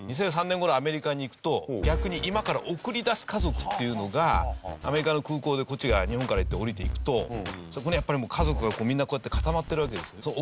２００３年頃アメリカに行くと逆に今から送り出す家族っていうのがアメリカの空港でこっちが日本から行って降りていくとそこにやっぱり家族がみんなこうやって固まってるわけですね。